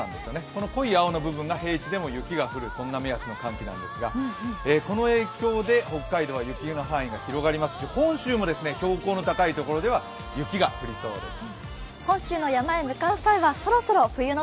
この濃い青の部分が平地でも雪が降る寒気の目安ですが、この影響で北海道は雪の範囲が広がりますし本州も標高の高いところでは雪が降りそうです。